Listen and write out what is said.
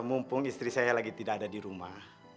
mumpung istri saya lagi tidak ada di rumah